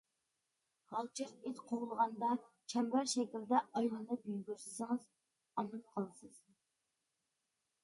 غالجىر ئىت قوغلىغاندا چەمبەر شەكىلدە ئايلىنىپ يۈگۈرسىڭىز ئامان قالىسىز.